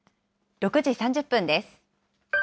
６時３０分です。